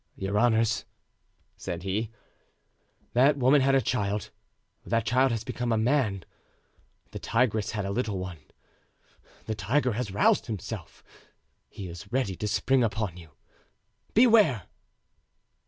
"Your honors," said he, "that woman had a child; that child has become a man; the tigress had a little one, the tiger has roused himself; he is ready to spring upon you—beware!"